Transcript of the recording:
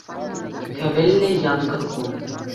Хӗвеллӗ янкӑр кун.